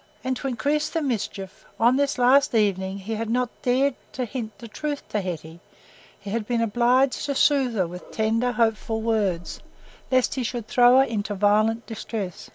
And to increase the mischief, on this last evening he had not dared to hint the truth to Hetty; he had been obliged to soothe her with tender, hopeful words, lest he should throw her into violent distress.